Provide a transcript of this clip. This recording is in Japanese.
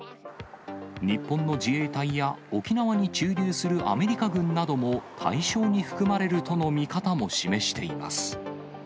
日本の自衛隊や沖縄に駐留するアメリカ軍なども、対象に含まれるとの見方も示しています。